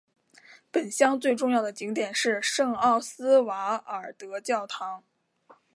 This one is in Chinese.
本乡最重要的景点是圣奥斯瓦尔德教堂。